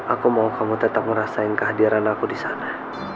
aku mau kamu tetap ngerasain kehadiran aku disana